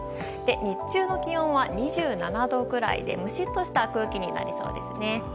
日中の気温は２７度くらいでムシッとした空気になりそうです。